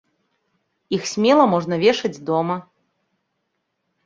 Іх смела можна вешаць дома.